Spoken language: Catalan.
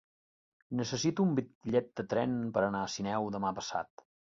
Necessito un bitllet de tren per anar a Sineu demà passat.